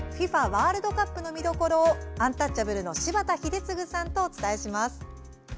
ワールドカップの見どころをアンタッチャブルの柴田英嗣さんとお伝えします。